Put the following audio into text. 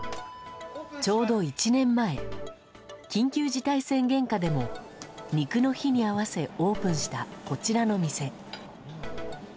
ちょうど１年前、緊急事態宣言下でも、肉の日に合わせオープンしたこちらの店。